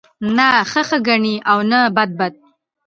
نه ښه ښه گڼي او نه بد بد